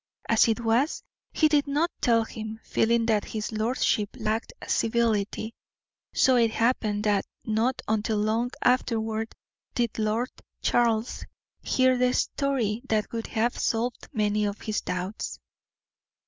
As it was, he did not tell him, feeling that his lordship lacked civility; so it happened that not until long afterward did Lord Charles hear the story that would have solved many of his doubts.